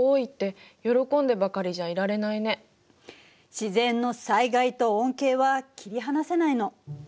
自然の災害と恩恵は切り離せないの。